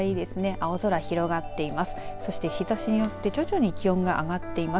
青空広がっています。